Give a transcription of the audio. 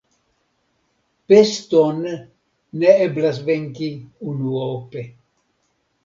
Peston ne eblas venki unuope.